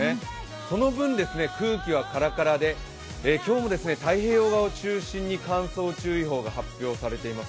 その分、空気はカラカラで今日も太平洋側を中心に乾燥注意報が発表されています。